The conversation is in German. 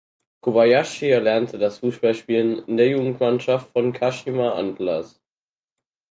Kobayashi erlernte das Fußballspielen in der Jugendmannschaft von Kashima Antlers.